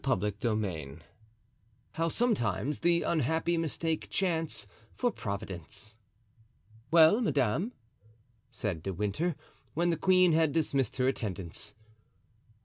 Chapter XXXIX. How, sometimes, the Unhappy mistake Chance for Providence. Well, madame," said De Winter, when the queen had dismissed her attendants.